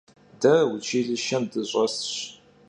De vuçilişêm dış'esş.